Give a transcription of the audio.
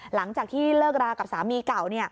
หลังจากที่เลิกรากับสามีเก่า